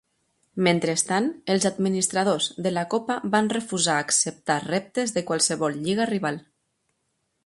Mentrestant, els administradors de la Copa van refusar acceptar reptes de qualsevol lliga rival.